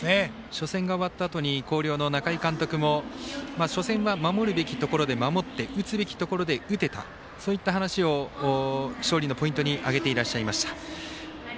初戦を終わったあとに広陵の中井監督も初戦は守るべきところで守って打つべきところで打てたということを勝利のポイントとしてあげていらっしゃいました。